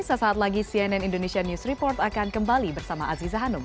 sesaat lagi cnn indonesia news report akan kembali bersama aziza hanum